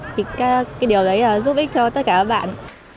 thì cái điều đấy là giúp ích cho tất cả các bạn